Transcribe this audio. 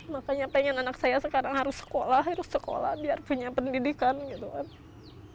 makanya pengen anak saya sekarang harus sekolah harus sekolah biar punya pendidikan gitu kan